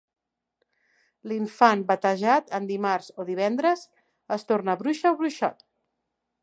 L'infant batejat en dimarts o divendres, es torna bruixa o bruixot.